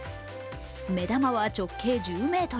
目玉は直径１０ｍ。